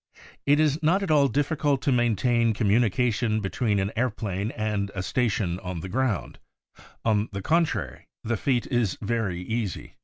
It is not at all difficult to maintain com munication between an airplane and a station on the ground, on the contrary, the feat is very easy.